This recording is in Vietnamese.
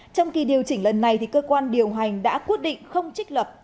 trong khi điều chỉnh lần này thì cơ quan điều hành đã quyết định không trích lập